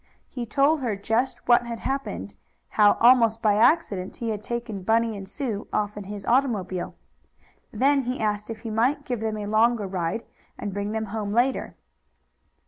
He told her just what had happened; how, almost by accident, he had taken Bunny and Sue off in his automobile. Then he asked if he might give them a longer ride, and bring them home later.